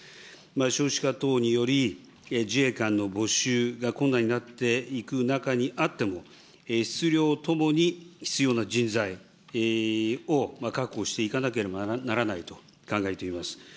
少子化等により、自衛官の募集が困難になっていく中にあっても、質、量ともに必要な人材を確保していかなければならないと考えています。